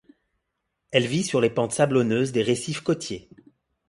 Elle vit sur les pentes sablonneuses des récifs côtiers.